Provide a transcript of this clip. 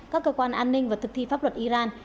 các cơ quan an ninh và thực thi pháp luật iran